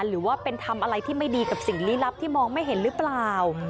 หรือว่าเป็นทำอะไรที่ไม่ดีกับสิ่งลี้ลับที่มองไม่เห็นหรือเปล่า